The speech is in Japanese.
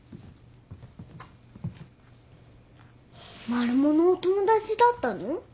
マルモのお友達だったの？